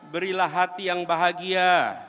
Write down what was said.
berilah hati yang bahagia